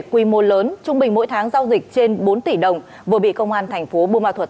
quy mô lớn trung bình mỗi tháng giao dịch trên bốn tỷ đồng vừa bị công an thành phố bùa ma thuật